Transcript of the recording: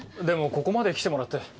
でもここまで来てもらって。